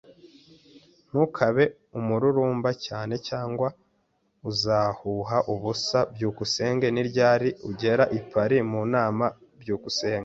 Ntukabe umururumba cyane cyangwa uzahuha ubusa. byukusenge Ni ryari ugera i Paris mu nama? byukusenge